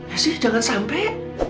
esy jangan sampai